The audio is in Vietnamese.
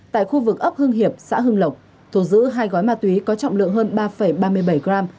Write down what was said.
tại khu vực ấp hưng hiệp xã hưng lộc thu giữ hai gói ma túy có trọng lượng hơn ba ba mươi bảy gram